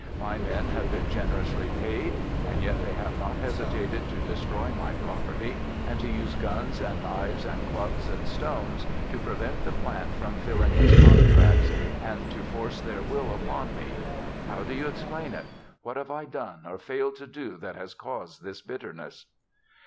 My men have been generously paid and yet they have not hesitated to destroy my property and to use guns and knives and clubs and stones to prevent the plant from filling its contracts and to force their will upon me. How do you explain it? What have I done or failed to do that has caused this bitterness?"